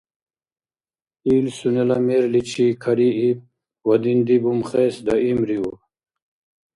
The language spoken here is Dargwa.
Ил сунела мерличи карииб ва динди бумхес даимриуб.